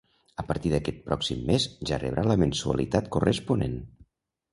A partir d'aquest pròxim mes ja rebrà la mensualitat corresponent.